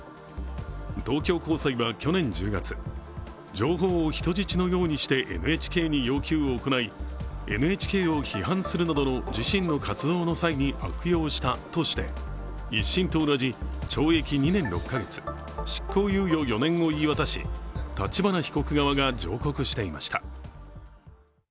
東京高裁は去年１０月、情報を人質のようにしてＮＨＫに要求を行い、ＮＨＫを批判するなどの自身の活動の際に悪用したとして１審と同じ懲役２年６か月執行猶予４年を言い渡し立花被告側が上告していました。